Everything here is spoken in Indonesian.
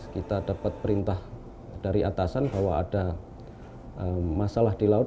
kita dapat perintah dari atasan bahwa ada masalah di laut